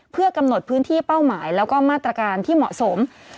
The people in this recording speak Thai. เพื่อกำหนดพื้นที่เป้าหมายแล้วก็มาตรการที่เหมาะสม